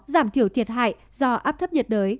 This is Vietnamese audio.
giảm thiểu thiệt hại do át thấp nhiệt đới